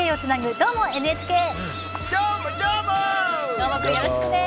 どーもくん、よろしくね。